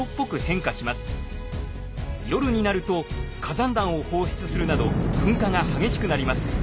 夜になると火山弾を放出するなど噴火が激しくなります。